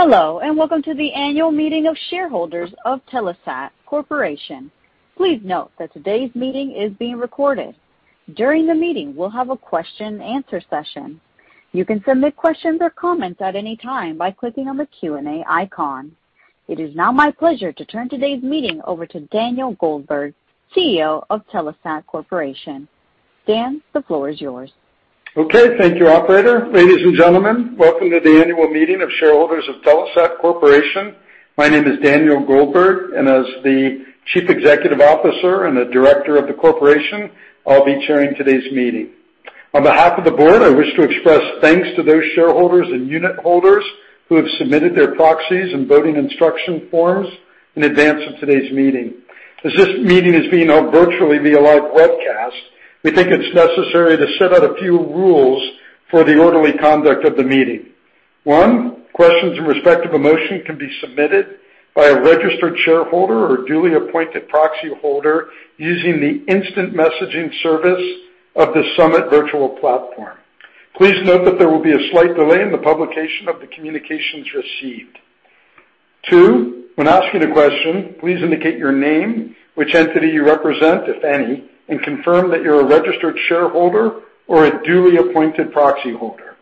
Hello, and welcome to the annual meeting of shareholders of Telesat Corporation. Please note that today's meeting is being recorded. During the meeting, we'll have a question and answer session. You can submit questions or comments at any time by clicking on the Q&A icon. It is now my pleasure to turn today's meeting over to Daniel Goldberg, CEO of Telesat Corporation. Dan, the floor is yours. Okay. Thank you, operator. Ladies and gentlemen, welcome to the annual meeting of shareholders of Telesat Corporation. My name is Daniel Goldberg, and as the Chief Executive Officer and a Director of the corporation, I'll be chairing today's meeting. On behalf of the board, I wish to express thanks to those shareholders and unitholders who have submitted their proxies and voting instruction forms in advance of today's meeting. As this meeting is being held virtually via live webcast, we think it's necessary to set out a few rules for the orderly conduct of the meeting. One, questions in respect of a motion can be submitted by a registered shareholder or duly appointed proxy holder using the instant messaging service of the summit virtual platform. Please note that there will be a slight delay in the publication of the communications received. Two, when asking a question, please indicate your name, which entity you represent, if any, and confirm that you're a registered shareholder or a duly appointed proxy holder.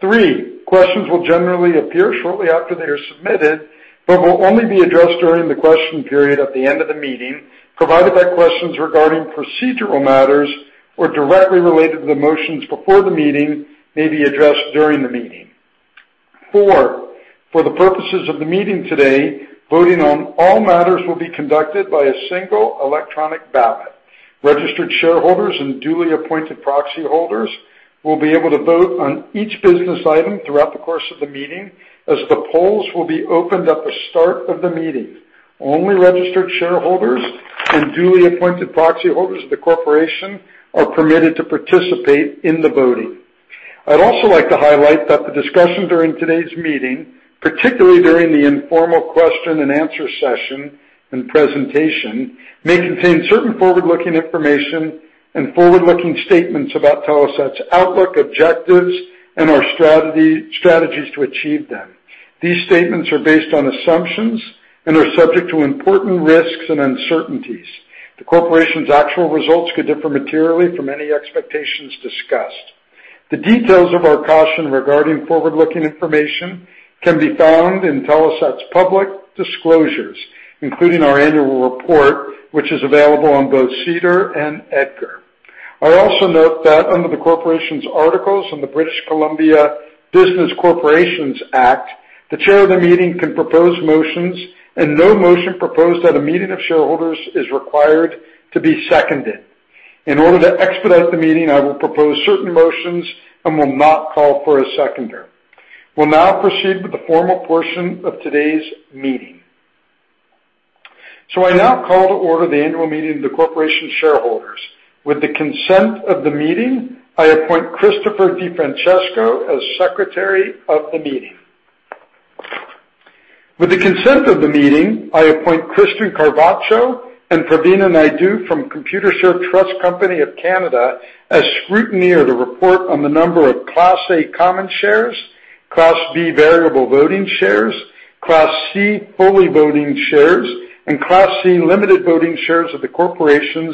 Three, questions will generally appear shortly after they are submitted, but will only be addressed during the question period at the end of the meeting, provided that questions regarding procedural matters or directly related to the motions before the meeting may be addressed during the meeting. Four, for the purposes of the meeting today, voting on all matters will be conducted by a single electronic ballot. Registered shareholders and duly appointed proxy holders will be able to vote on each business item throughout the course of the meeting, as the polls will be opened at the start of the meeting. Only registered shareholders and duly appointed proxy holders of the corporation are permitted to participate in the voting. I'd also like to highlight that the discussion during today's meeting, particularly during the informal question and answer session and presentation, may contain certain forward-looking information and forward-looking statements about Telesat's outlook, objectives, and our strategy, strategies to achieve them. These statements are based on assumptions and are subject to important risks and uncertainties. The corporation's actual results could differ materially from any expectations discussed. The details of our caution regarding forward-looking information can be found in Telesat's public disclosures, including our annual report, which is available on both SEDAR and EDGAR. I also note that under the corporation's articles on the British Columbia Business Corporations Act, the chair of the meeting can propose motions, and no motion proposed at a meeting of shareholders is required to be seconded. In order to expedite the meeting, I will propose certain motions and will not call for a seconder. We'll now proceed with the formal portion of today's meeting. I now call to order the annual meeting of the corporation shareholders. With the consent of the meeting, I appoint Christopher DiFrancesco as secretary of the meeting. With the consent of the meeting, I appoint Christian Carvacho and Pravina Naidoo from Computershare Trust Company of Canada as scrutineer to report on the number of Class A Common Shares, Class B Variable Voting Shares, Class C Fully Voting Shares, and Class C Limited Voting Shares of the corporation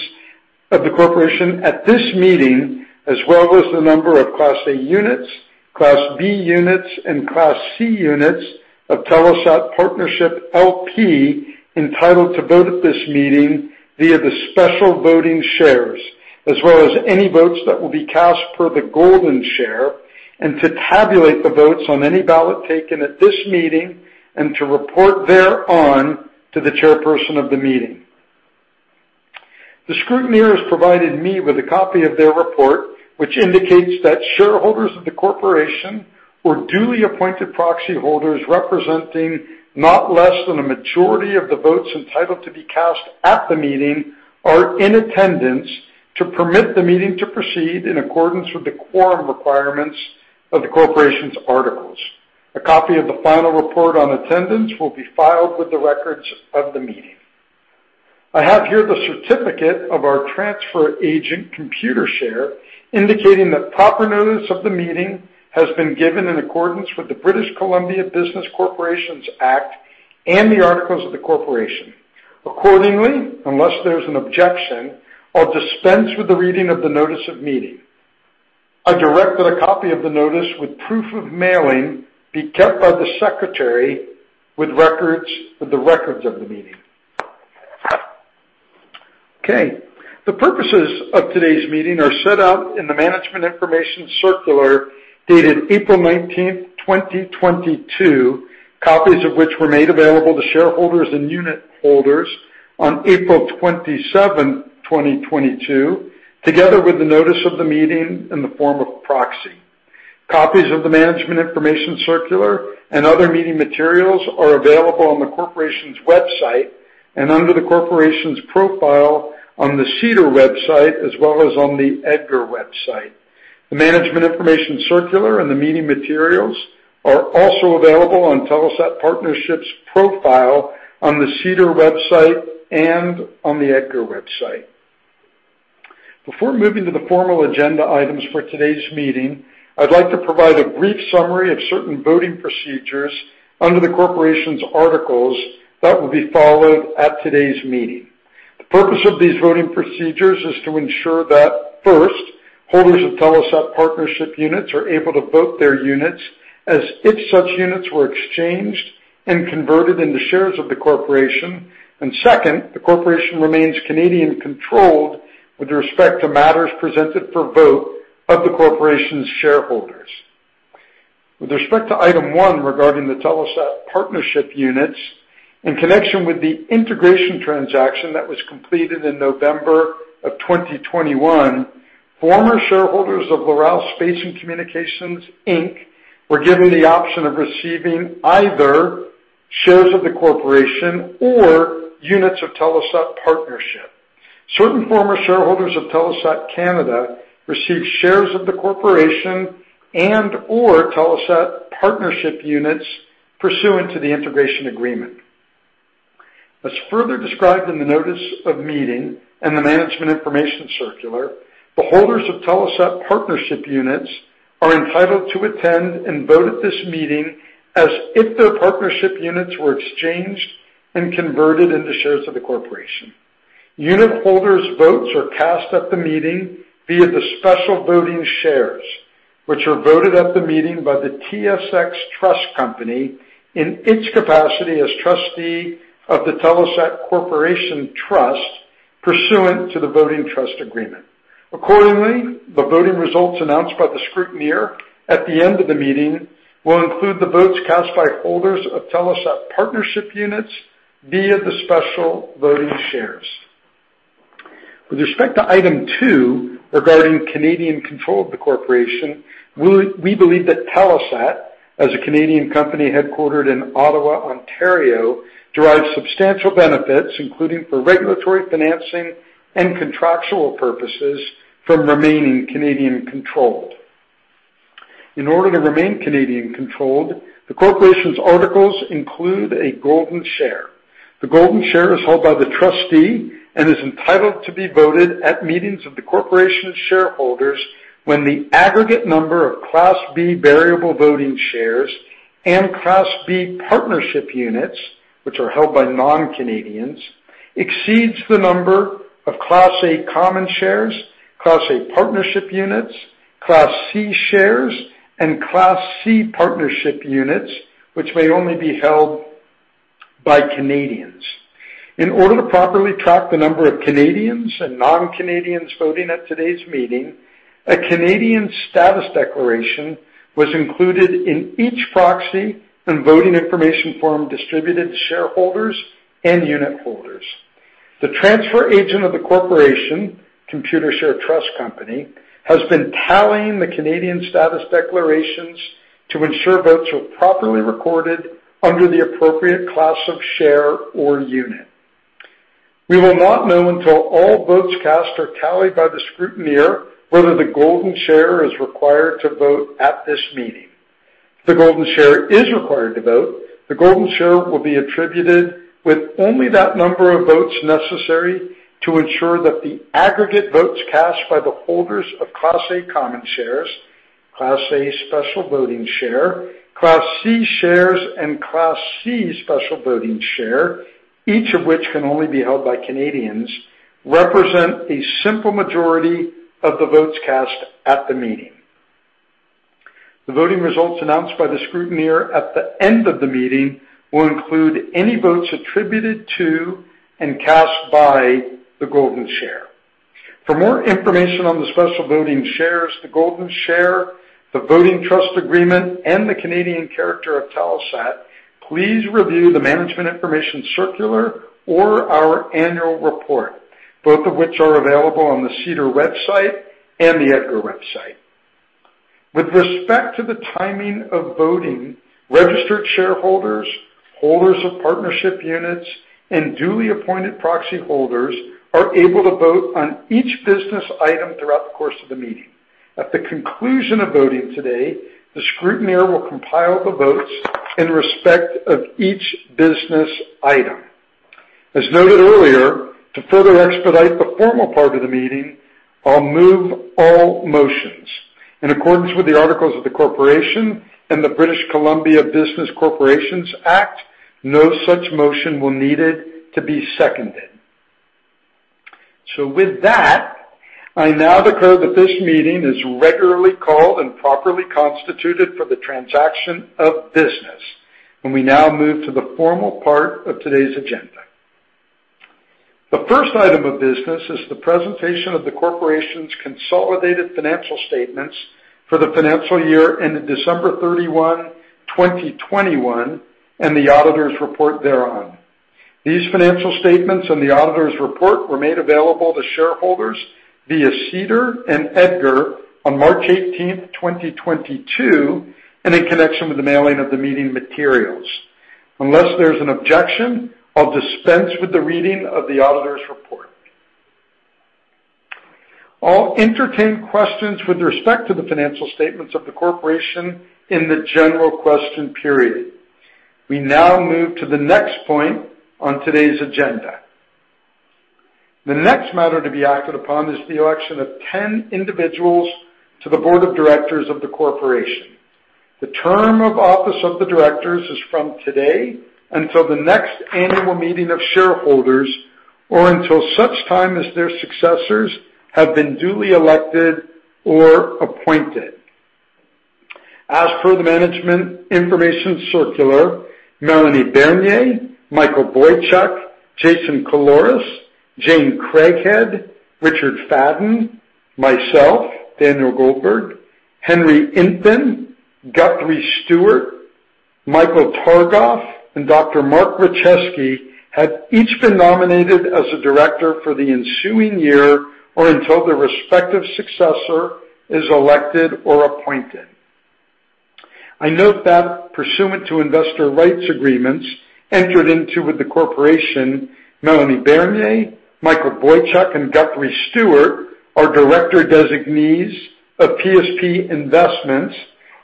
at this meeting, as well as the number of Class A units, Class B units, and Class C units of Telesat Partnership LP entitled to vote at this meeting via the special voting shares, as well as any votes that will be cast per the Golden Share, and to tabulate the votes on any ballot taken at this meeting and to report thereon to the chairperson of the meeting. The scrutineers provided me with a copy of their report, which indicates that shareholders of the corporation or duly appointed proxy holders representing not less than a majority of the votes entitled to be cast at the meeting are in attendance to permit the meeting to proceed in accordance with the quorum requirements of the corporation's articles. A copy of the final report on attendance will be filed with the records of the meeting. I have here the certificate of our transfer agent, Computershare, indicating that proper notice of the meeting has been given in accordance with the British Columbia Business Corporations Act and the articles of the corporation. Accordingly, unless there's an objection, I'll dispense with the reading of the notice of meeting. I direct that a copy of the notice with proof of mailing be kept by the secretary with the records of the meeting. Okay. The purposes of today's meeting are set out in the management information circular dated April 19, 2022, copies of which were made available to shareholders and unitholders on April 27, 2022, together with the notice of the meeting in the form of proxy. Copies of the management information circular and other meeting materials are available on the corporation's website and under the corporation's profile on the SEDAR website, as well as on the EDGAR website. The management information circular and the meeting materials are also available on Telesat Partnership's profile on the SEDAR website and on the EDGAR website. Before moving to the formal agenda items for today's meeting, I'd like to provide a brief summary of certain voting procedures under the corporation's articles that will be followed at today's meeting. The purpose of these voting procedures is to ensure that, first, holders of Telesat Partnership units are able to vote their units as if such units were exchanged and converted into shares of the corporation. Second, the corporation remains Canadian-controlled with respect to matters presented for vote of the corporation's shareholders. With respect to item one regarding the Telesat Partnership units, in connection with the integration transaction that was completed in November 2021, former shareholders of Loral Space & Communications Inc. were given the option of receiving either shares of the corporation or units of Telesat Partnership. Certain former shareholders of Telesat Canada received shares of the corporation and/or Telesat Partnership units pursuant to the integration agreement. As further described in the notice of meeting and the management information circular, the holders of Telesat Partnership units are entitled to attend and vote at this meeting as if their partnership units were exchanged and converted into shares of the corporation. Unit holders' votes are cast at the meeting via the special voting shares, which are voted at the meeting by the TSX Trust Company in its capacity as trustee of the Telesat Corporation Trust pursuant to the voting trust agreement. Accordingly, the voting results announced by the scrutineer at the end of the meeting will include the votes cast by holders of Telesat Partnership units via the special voting shares. With respect to item two regarding Canadian control of the corporation, we believe that Telesat, as a Canadian company headquartered in Ottawa, Ontario, derives substantial benefits, including for regulatory financing and contractual purposes, from remaining Canadian-controlled. In order to remain Canadian-controlled, the corporation's articles include a Golden Share. The Golden Share is held by the trustee and is entitled to be voted at meetings of the corporation's shareholders when the aggregate number of Class B Variable Voting Shares and Class B Partnership Units, which are held by non-Canadians, exceeds the number of Class A Common Shares, Class A Partnership Units, Class C Shares, and Class C Partnership Units, which may only be held by Canadians. In order to properly track the number of Canadians and non-Canadians voting at today's meeting, a Canadian status declaration was included in each proxy and voting information form distributed to shareholders and unit holders. The transfer agent of the corporation, Computershare Trust Company of Canada, has been tallying the Canadian status declarations to ensure votes are properly recorded under the appropriate class of share or unit. We will not know until all votes cast are tallied by the scrutineer whether the Golden Share is required to vote at this meeting. If the Golden Share is required to vote, the Golden Share will be attributed with only that number of votes necessary to ensure that the aggregate votes cast by the holders of Class A Common Shares, Class A Special Voting Share, Class C Shares, and Class C Special Voting Share, each of which can only be held by Canadians, represent a simple majority of the votes cast at the meeting. The voting results announced by the scrutineer at the end of the meeting will include any votes attributed to and cast by the Golden Share. For more information on the special voting shares, the Golden Share, the voting trust agreement, and the Canadian character of Telesat, please review the management information circular or our annual report, both of which are available on the SEDAR website and the EDGAR website. With respect to the timing of voting, registered shareholders, holders of partnership units, and duly appointed proxy holders are able to vote on each business item throughout the course of the meeting. At the conclusion of voting today, the scrutineer will compile the votes in respect of each business item. As noted earlier, to further expedite the formal part of the meeting, I'll move all motions. In accordance with the articles of the corporation and the British Columbia Business Corporations Act, no such motion will be needed to be seconded. With that, I now declare that this meeting is regularly called and properly constituted for the transaction of business, and we now move to the formal part of today's agenda. The first item of business is the presentation of the corporation's consolidated financial statements for the financial year ended December 31, 2021, and the auditor's report thereon. These financial statements and the auditor's report were made available to shareholders via SEDAR and EDGAR on March 18, 2022, and in connection with the mailing of the meeting materials. Unless there's an objection, I'll dispense with the reading of the auditor's report. I'll entertain questions with respect to the financial statements of the corporation in the general question period. We now move to the next point on today's agenda. The next matter to be acted upon is the election of 10 individuals to the board of directors of the corporation. The term of office of the directors is from today until the next annual meeting of shareholders, or until such time as their successors have been duly elected or appointed. As per the management information circular, Mélanie Bernier, Michael Boychuk, Jason Caloras, Jane Craighead, Richard Fadden, myself, Daniel Goldberg, Henry Intven, Guthrie Stewart, Michael Targoff, and Dr. Mark Rachesky have each been nominated as a director for the ensuing year or until their respective successor is elected or appointed. I note that pursuant to investor rights agreements entered into with the corporation, Mélanie Bernier, Michael Boychuk, and Guthrie Stewart are director designees of PSP Investments,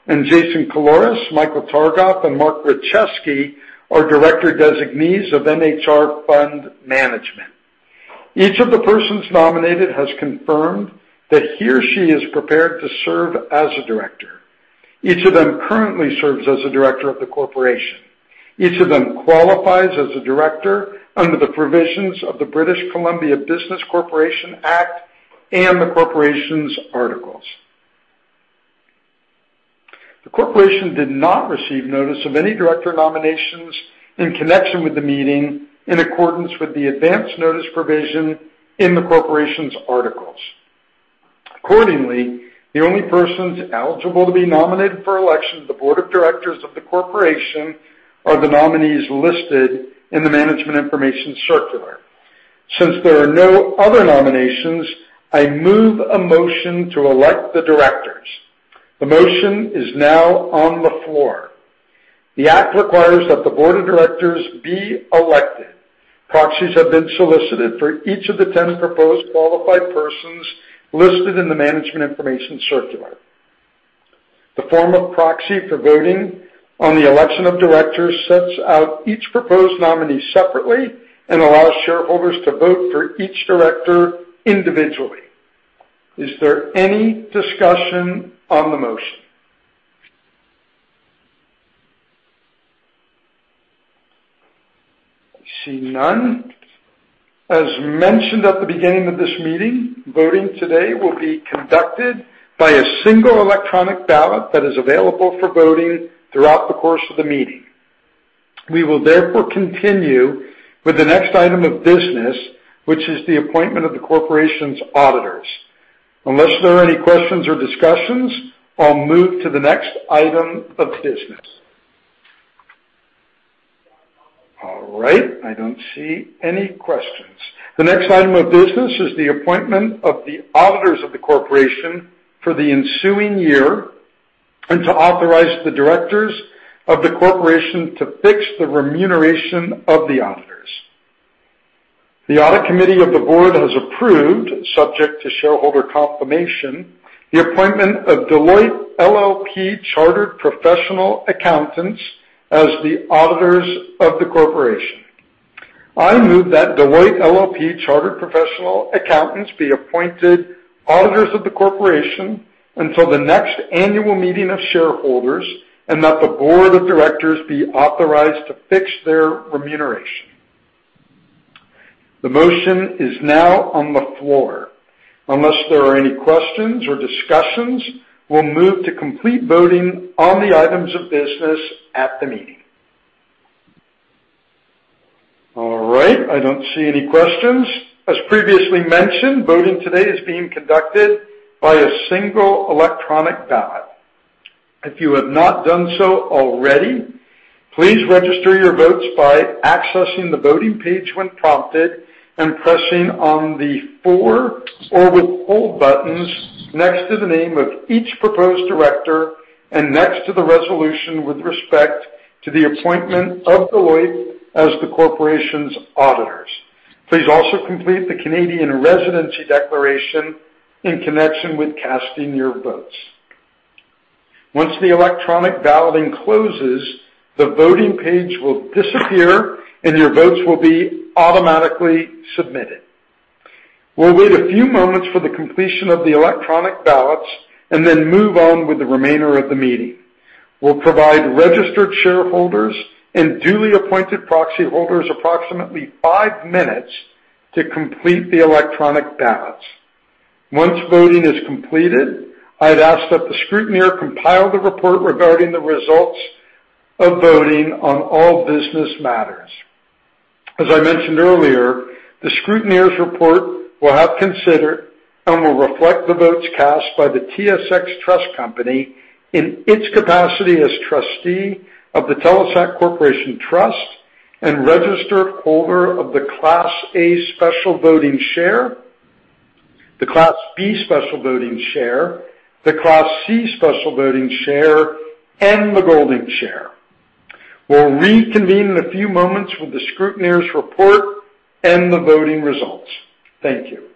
and Jason Caloras, Michael Targoff, and Mark Rachesky are director designees of MHR Fund Management. Each of the persons nominated has confirmed that he or she is prepared to serve as a director. Each of them currently serves as a director of the corporation. Each of them qualifies as a director under the provisions of the British Columbia Business Corporations Act and the corporation's articles. The corporation did not receive notice of any director nominations in connection with the meeting in accordance with the advance notice provision in the corporation's articles. Accordingly, the only persons eligible to be nominated for election to the board of directors of the corporation are the nominees listed in the management information circular. Since there are no other nominations, I move a motion to elect the directors. The motion is now on the floor. The act requires that the board of directors be elected. Proxies have been solicited for each of the 10 proposed qualified persons listed in the management information circular. The form of proxy for voting on the election of directors sets out each proposed nominee separately and allows shareholders to vote for each director individually. Is there any discussion on the motion? I see none. As mentioned at the beginning of this meeting, voting today will be conducted by a single electronic ballot that is available for voting throughout the course of the meeting. We will therefore continue with the next item of business, which is the appointment of the corporation's auditors. Unless there are any questions or discussions, I'll move to the next item of business. All right. I don't see any questions. The next item of business is the appointment of the auditors of the corporation for the ensuing year and to authorize the directors of the corporation to fix the remuneration of the auditors. The audit committee of the board has approved, subject to shareholder confirmation, the appointment of Deloitte LLP Chartered Professional Accountants as the auditors of the corporation. I move that Deloitte LLP Chartered Professional Accountants be appointed auditors of the corporation until the next annual meeting of shareholders, and that the board of directors be authorized to fix their remuneration. The motion is now on the floor. Unless there are any questions or discussions, we'll move to complete voting on the items of business at the meeting. All right. I don't see any questions. As previously mentioned, voting today is being conducted by a single electronic ballot. If you have not done so already, please register your votes by accessing the voting page when prompted and pressing on the for or withhold buttons next to the name of each proposed director and next to the resolution with respect to the appointment of Deloitte as the corporation's auditors. Please also complete the Canadian Residency Declaration in connection with casting your votes. Once the electronic balloting closes, the voting page will disappear, and your votes will be automatically submitted. We'll wait a few moments for the completion of the electronic ballots and then move on with the remainder of the meeting. We'll provide registered shareholders and duly appointed proxy holders approximately five minutes to complete the electronic ballots. Once voting is completed, I'd ask that the scrutineer compile the report regarding the results of voting on all business matters. As I mentioned earlier, the scrutineer's report will have considered and will reflect the votes cast by the TSX Trust Company in its capacity as trustee of the Telesat Corporation Trust and registered holder of the Class A Special Voting Share, the Class B Special Voting Share, the Class C Special Voting Share, and the Golden Share. We'll reconvene in a few moments with the scrutineer's report and the voting results. Thank you.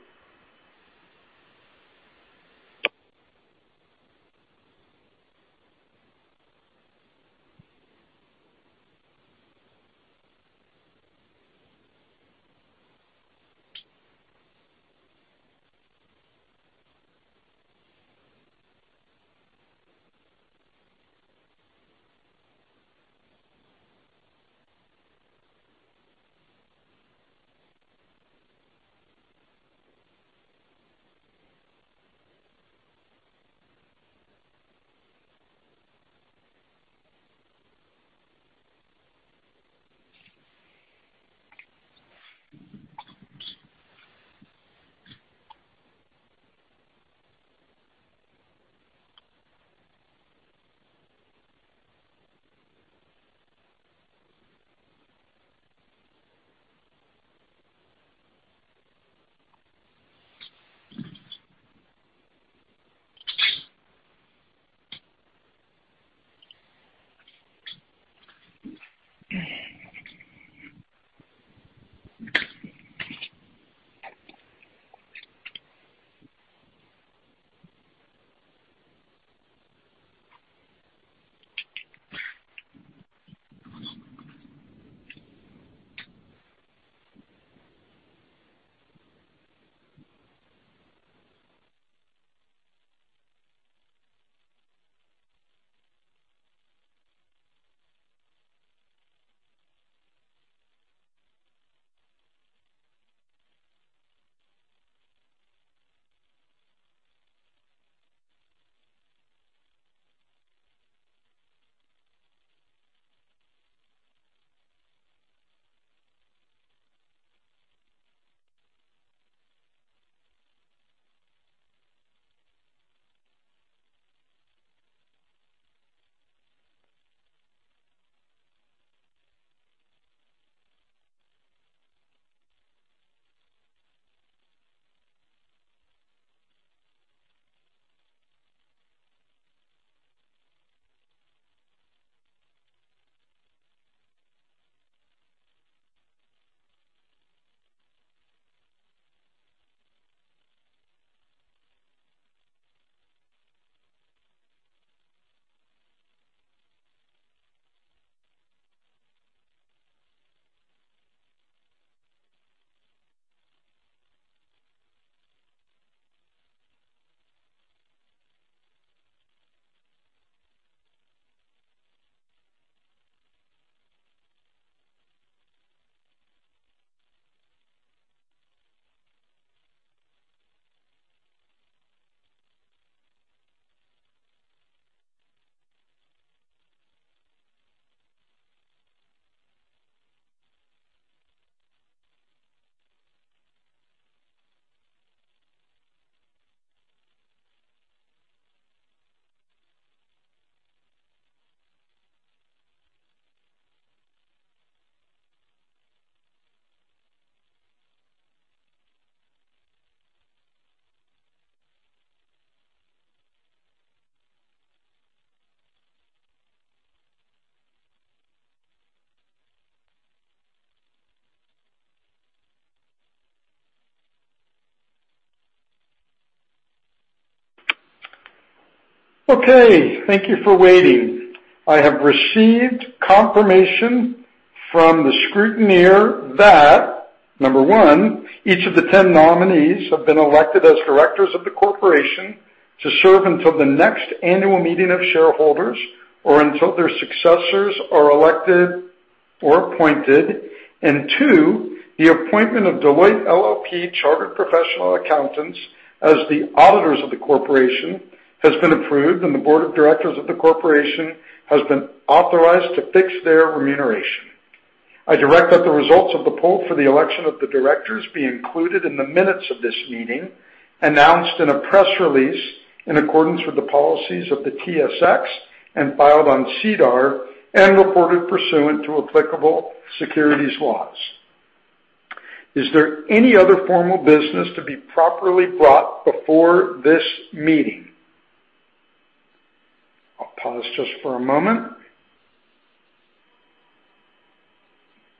Okay, thank you for waiting. I have received confirmation from the scrutineer that, number one, each of the 10 nominees have been elected as directors of the corporation to serve until the next annual meeting of shareholders or until their successors are elected or appointed. Two, the appointment of Deloitte LLP Chartered Professional Accountants as the auditors of the corporation has been approved, and the board of directors of the corporation has been authorized to fix their remuneration. I direct that the results of the poll for the election of the directors be included in the minutes of this meeting, announced in a press release in accordance with the policies of the TSX and filed on SEDAR and reported pursuant to applicable securities laws. Is there any other formal business to be properly brought before this meeting? I'll pause just for a moment.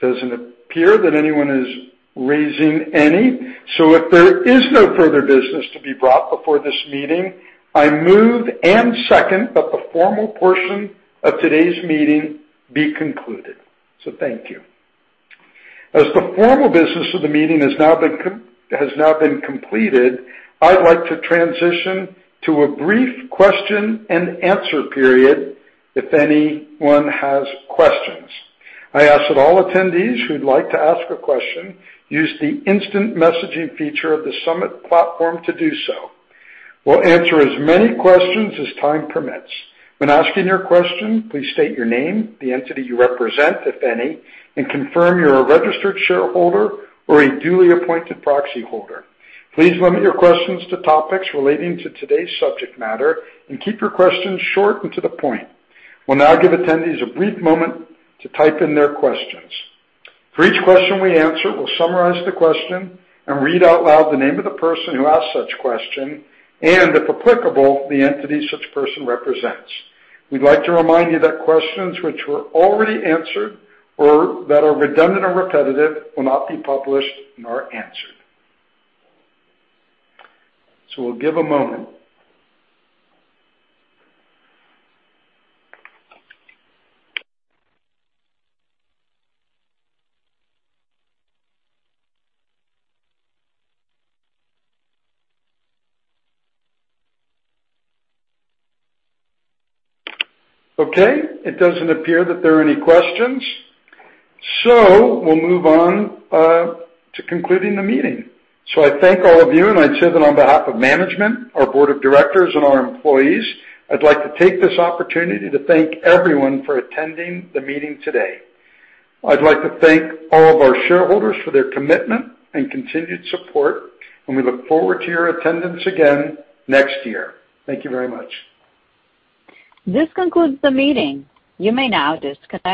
Doesn't appear that anyone is raising any. If there is no further business to be brought before this meeting, I move and second that the formal portion of today's meeting be concluded. Thank you. As the formal business of the meeting has now been completed, I'd like to transition to a brief question and answer period if anyone has questions. I ask that all attendees who'd like to ask a question use the instant messaging feature of the summit platform to do so. We'll answer as many questions as time permits. When asking your question, please state your name, the entity you represent, if any, and confirm you're a registered shareholder or a duly appointed proxy holder. Please limit your questions to topics relating to today's subject matter and keep your questions short and to the point. We'll now give attendees a brief moment to type in their questions. For each question we answer, we'll summarize the question and read out loud the name of the person who asked such question and, if applicable, the entity such person represents. We'd like to remind you that questions which were already answered or that are redundant and repetitive will not be published nor answered. We'll give a moment. Okay, it doesn't appear that there are any questions, so we'll move on to concluding the meeting. I thank all of you, and I'd say that on behalf of management, our board of directors and our employees, I'd like to take this opportunity to thank everyone for attending the meeting today. I'd like to thank all of our shareholders for their commitment and continued support, and we look forward to your attendance again next year. Thank you very much. This concludes the meeting. You may now disconnect.